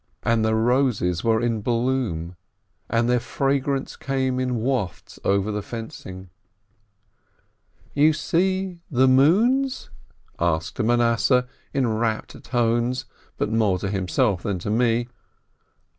And the roses were in bloom, and their fragrance came in wafts over the fencing. "You see the 'moons'?" asked Manasseh, in rapt tones, but more to himself than to me.